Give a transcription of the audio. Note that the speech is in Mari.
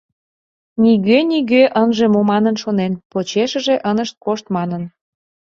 Нигӧ-нигӧ ынже му манын шонен, почешыже ынышт кошт манын.